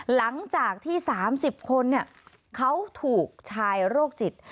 หลังจากที่๓๐คนเขาถูกชายโรคจิต